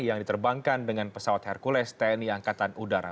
yang diterbangkan dengan pesawat hercules tni angkatan udara